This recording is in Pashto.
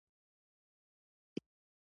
له دې سره موږ هم تر سیند پورې وتو.